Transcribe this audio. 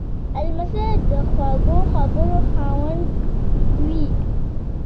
لمسی د خوږو خبرو خاوند وي.